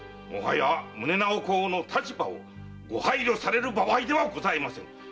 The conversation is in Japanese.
もはや宗直公の立場をご配慮される場合ではございません。